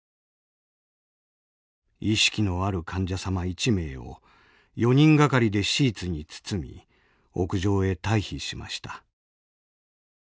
意識のある患者さま１名を４人がかりでシーツに包み屋上へ退避しました」。